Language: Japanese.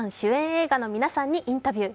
映画の皆さんにインタビュー。